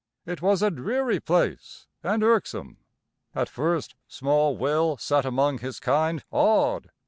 It was a dreary place and irksome. At first small Will sat among his kind awed.